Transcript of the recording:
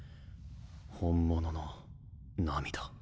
本物の涙。